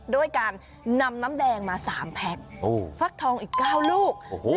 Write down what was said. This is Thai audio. โดยการนำน้ำแดงมาสามแพ็กโอ้ฟักทองอีกเก้าลูกโอ้โห